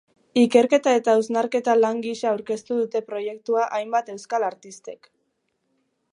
Ikerketa eta hausnaketa lan gisa aurkeztu dute proiektua hainbat euskal artistek.